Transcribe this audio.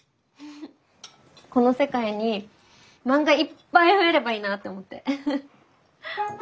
この世界に漫画いっぱい増えればいいなって思って。